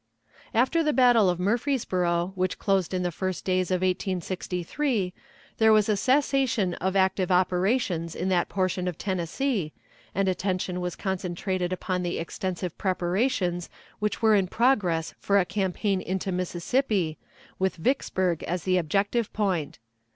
After the battle of Murfreesboro, which closed in the first days of 1863, there was a cessation of active operations in that portion of Tennessee, and attention was concentrated upon the extensive preparations which were in progress for a campaign into Mississippi, with Vicksburg as the objective point.